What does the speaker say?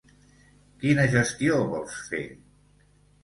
Quina gestió vols fer?